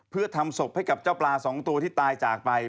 เพื่อทำศพให้กับเจ้าปลาสองตัวที่ตายจากไป